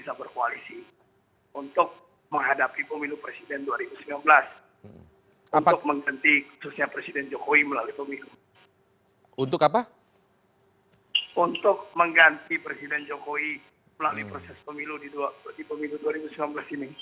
jokowi melalui proses pemilu di dua ribu sembilan belas ini